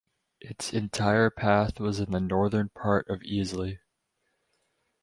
Its entire path was in the northern part of Easley.